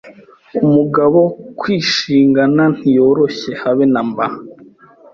Umugabo Kwishingana ntiyoroshye habe namba